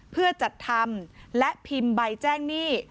เพื่อจัดทำและพิมพ์ใบแจ้งหนี้